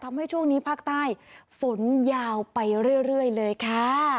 ทำให้ช่วงนี้ภาคใต้ฝนยาวไปเรื่อยเลยค่ะ